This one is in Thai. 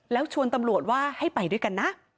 แล้วชวนตำรวจว่าให้ไปด้วยกันนะ